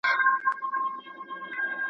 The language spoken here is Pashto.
ړانده وګړي د دلبرو قدر څه پیژني!